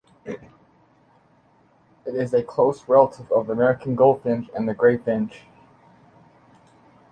It is a close relative of the American goldfinch and the gray finch.